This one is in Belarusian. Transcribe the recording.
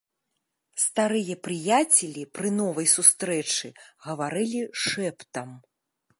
Старыя прыяцелі пры новай сустрэчы гаварылі шэптам.